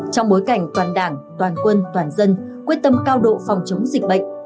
trong bối cảnh toàn đảng toàn quân toàn dân quyết tâm cao độ phòng chống dịch bệnh